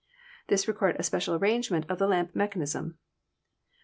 This required a special arrangement of the lamp mechanism.